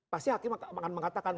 pasti hakim akan mengatakan